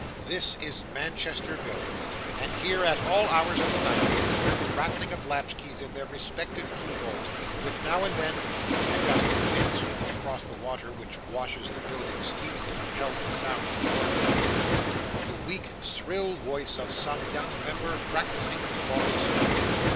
This is Manchester Buildings; and here, at all hours of the night, may be heard the rattling of latch keys in their respective keyholes: with now and then when a gust of wind sweeping across the water which washes the Buildings' feet, impels the sound towards its entrance the weak, shrill voice of some young member practising tomorrow's speech.